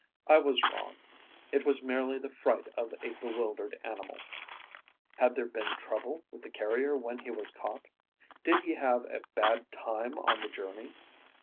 I was wrong: it was merely the fright of a bewildered animal. Had there been trouble with the carrier when he was caught? Did he have a bad time on the journey?